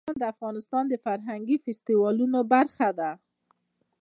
نورستان د افغانستان د فرهنګي فستیوالونو برخه ده.